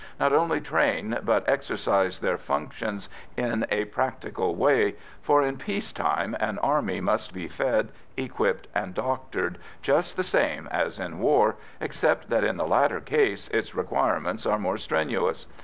not only train but exercise their functions in a practical way, for in peace time an army must be fed, equipped, and doctored, just the same as in war except that in the latter case its requirements are more strenuous.